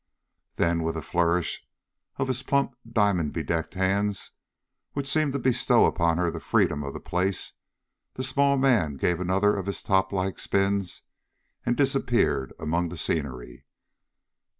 Then, with a flourish of his plump diamond bedecked hands, which seemed to bestow upon her the freedom of the place, the small man gave another of his top like spins and disappeared among the scenery.